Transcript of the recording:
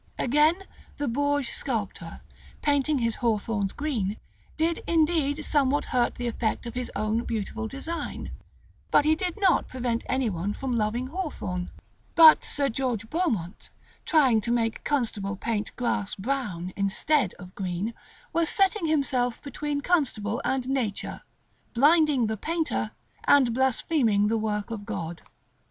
Again: the Bourges sculptor, painting his hawthorns green, did indeed somewhat hurt the effect of his own beautiful design, but did not prevent any one from loving hawthorn: but Sir George Beaumont, trying to make Constable paint grass brown instead of green, was setting himself between Constable and nature, blinding the painter, and blaspheming the work of God.